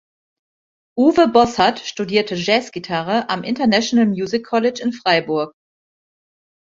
Uwe Bossert studierte Jazzgitarre am International Music College in Freiburg.